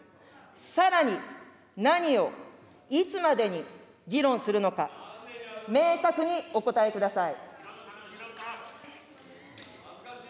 さらに何をいつまでに議論するのか、明確にお答えください。